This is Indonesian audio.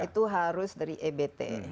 itu harus dari ebt